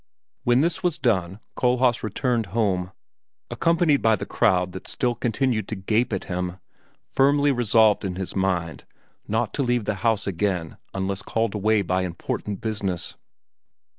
When this was done Kohlhaas returned home, accompanied by the crowd that still continued to gape at him, firmly resolved in his mind not to leave the house again unless called away by important business.